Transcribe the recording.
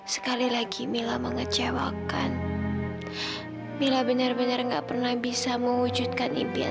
sampai jumpa di video selanjutnya